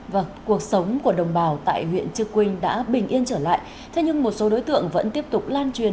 vâng cuộc sống của đồng bào tại huyện trư quynh đã bình yên trở lại thế nhưng một số đối tượng vẫn tiếp tục lan truyền